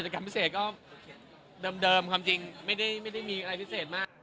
กรรมพิเศษก็เดิมความจริงไม่ได้มีอะไรพิเศษมาก